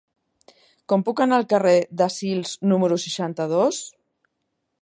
Com puc anar al carrer de Sils número seixanta-dos?